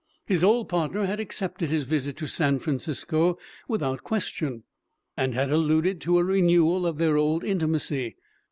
His old partner had accepted his visit to San Francisco without question, and had alluded to a renewal of their old intimacy.